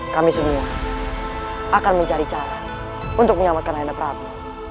kami semua akan mencari cara untuk menyelamatkan hana prabu